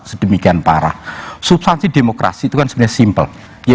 sedemikian parah substansi demokrasi itu kan sebenarnya simpel